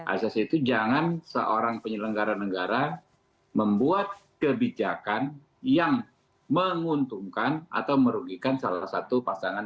asas itu jangan seorang penyelenggara negara membuat kebijakan yang menguntungkan atau merugikan salah satu pasangan